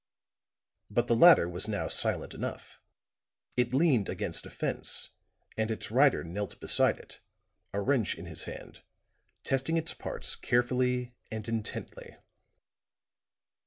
But the latter was now silent enough; it leaned against a fence, and its rider knelt beside it, a wrench in his hand, testing its parts carefully and intently.